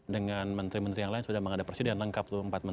dengan menteri menteri yang lain sudah mengadap persediaan lengkap